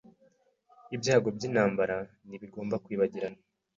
Ibyago byintambara ntibigomba kwibagirana.